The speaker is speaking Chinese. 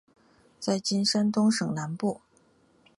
在今山东省南部。